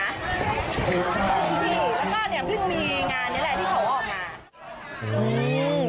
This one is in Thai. แล้วก็เนี่ยพึ่งมีงานนี้แหละที่เขาออกมา